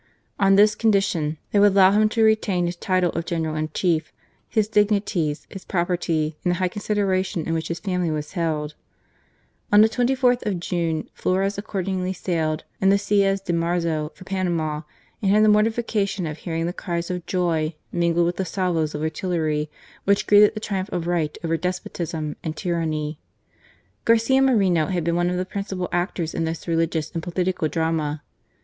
On this condition they would allow him to retain his title of General in Chief, his dignities, his property, and the high consideration in which his family was held. On the 24th of June, Flores accordingly sailed in the Sets de Marzo for Panama, and had the mortification of hearing the cries of joy mingled with the salvos of artillery which greeted the triumph of right over despotism and tyranny. Garcia Moreno had been one of the principal actors in this religious and political drama.